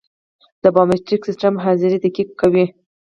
د بایومتریک سیستم حاضري دقیق کوي